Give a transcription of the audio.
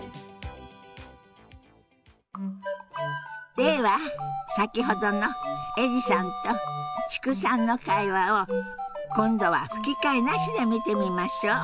では先ほどのエリさんと知久さんの会話を今度は吹き替えなしで見てみましょう。